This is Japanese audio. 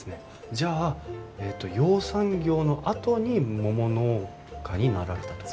じゃあえっと養蚕業のあとに桃農家になられたってこと？